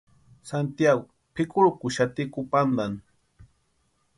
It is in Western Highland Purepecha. Santiagu pʼikurhutaxati kupantani.